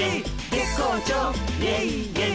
「月光町イエイイエイ」